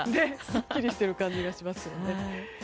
すっきりしている感じがしますよね。